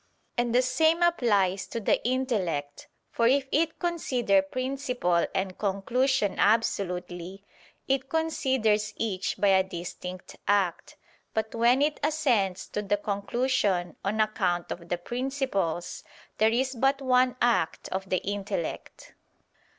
And the same applies to the intellect; for if it consider principle and conclusion absolutely, it considers each by a distinct act; but when it assents to the conclusion on account of the principles, there is but one act of the intellect.